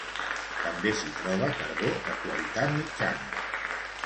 També s'hi troba carbó de qualitat mitjana.